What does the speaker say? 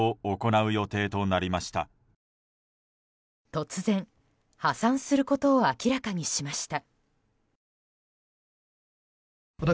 突然、破産することを明らかにしました。